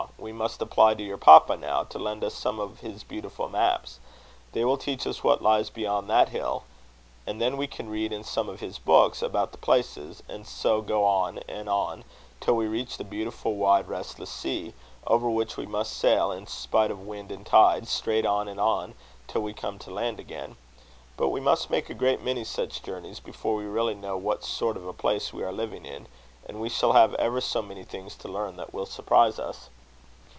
we must apply to your papa now, to lend us some of his beautiful maps. They will teach us what lies beyond that hill. And then we can read in some of his books about the places; and so go on and on, till we reach the beautiful, wide, restless sea; over which we must sail in spite of wind and tide straight on and on, till we come to land again. But we must make a great many such journeys before we really know what sort of a place we are living in; and we shall have ever so many things to learn that will surprise us."